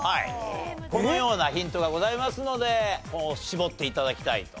このようなヒントがございますので絞って頂きたいと。